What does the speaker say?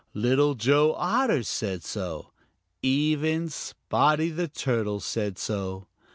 Little Joe Otter said so. Even Spotty the Turtle said so.